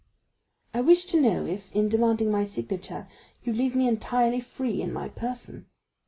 "I wish to know if, in demanding my signature, you leave me entirely free in my person?"